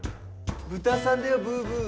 ブタさんだよブーブー。